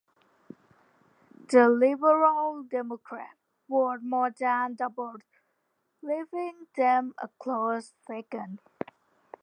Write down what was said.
The Liberal Democrat vote more than doubled, leaving them a close second.